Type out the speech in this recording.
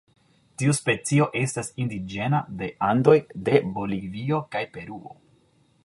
Tiu specio estas indiĝena de Andoj de Bolivio kaj Peruo.